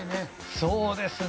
そうですね。